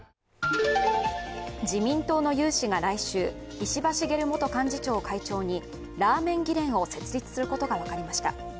自民党の有志が来週石破茂元幹事長を会長にラーメン議連を設立することが分かりました。